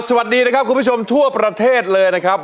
สวัสดีนะครับคุณผู้ชมทั่วประเทศเลยนะครับ